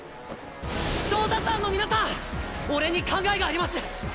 調達班の皆さん俺に考えがあります！